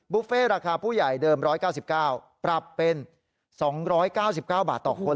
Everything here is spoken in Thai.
เฟ่ราคาผู้ใหญ่เดิม๑๙๙ปรับเป็น๒๙๙บาทต่อคน